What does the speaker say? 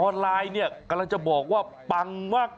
ออนไลน์เนี่ยกำลังจะบอกว่าปังมาก